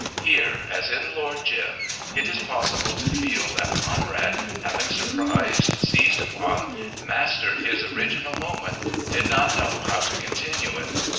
Here, as in Lord Jim, it is possible to feel that Conrad, having surprised, seized upon, mastered his original moment, did not know how to continue it.